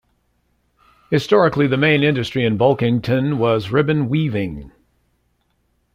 Historically the main industry in Bulkington was ribbon weaving.